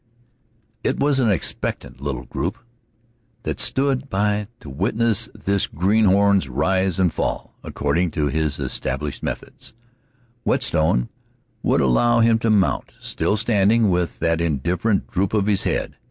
It was an expectant little group that stood by to witness this greenhorn's rise and fall. According to his established methods, Whetstone would allow him to mount, still standing with that indifferent droop to his head.